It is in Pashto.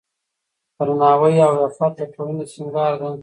درناوی او عفت د ټولنې سینګار دی.